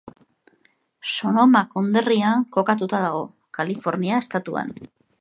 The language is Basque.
Sonoma konderrian kokatuta dago, Kalifornia estatuan.